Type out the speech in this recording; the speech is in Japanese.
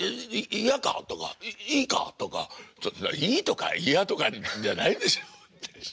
嫌か？」とか「いいか？」とかいいとか嫌とかじゃないでしょ？